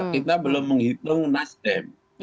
kita belum menghitung nasdem